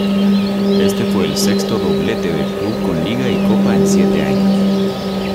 Este fue el sexto "doblete" del club con liga y copa en siete años.